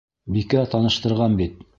Бикә таныштырған бит.